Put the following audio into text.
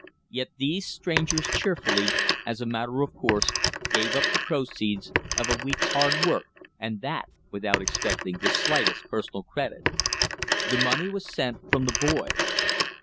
Yet these strangers cheerfully, as a matter of course, gave up the proceeds of a week's hard work, and that without expecting the slightest personal credit. The money was sent "from the boys."